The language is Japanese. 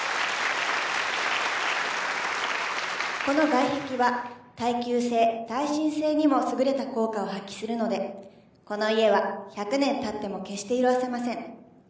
この外壁は耐久性耐震性にも優れた効果を発揮するのでこの家は１００年たっても決して色あせません。